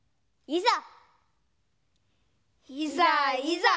いざ！